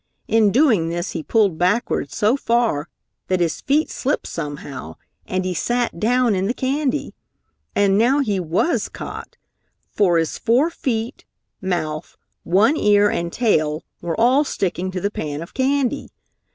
In doing this he pulled backwards so far that his feet slipped somehow, and he sat down in the candy. And now he was caught! For his four feet, mouth, one ear and tail were all sticking to the pan of candy.